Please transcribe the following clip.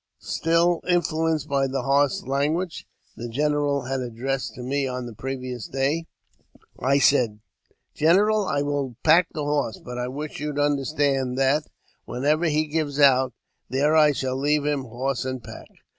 Still, influenced by the harsh language the general had addressed to me on the previous day, I said, " General, I will pack the horse, but I wish you to understand that, whenever he gives out, there I leave him, horse and pack."